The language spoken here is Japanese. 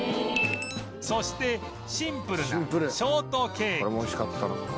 そしてシンプルなショートケーキ